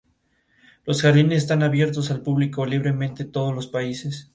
Por otro lado, sus madrigales son "a cappella", siguiendo el estilo del Renacimiento tardío.